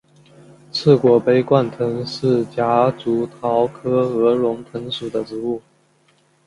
翅果杯冠藤是夹竹桃科鹅绒藤属的植物。